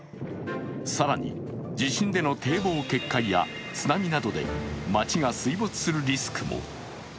更に地震での堤防決壊や津波などで街が水没するリスクも。